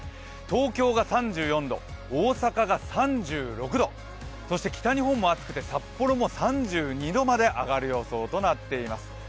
東京が３４度、大阪が３６度そして北日本も暑くて札幌も３２度まで上がる予想となっています。